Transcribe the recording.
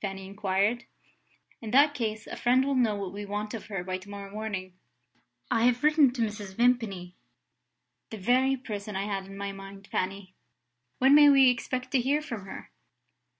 Fanny inquired. "In that case, a friend will know what we want of her by to morrow morning. I have written to Mrs. Vimpany." "The very person I had in my mind, Fanny! When may we expect to hear from her?"